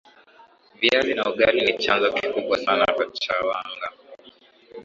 viazi na ugali ni chanzo kikubwa sana cha wanga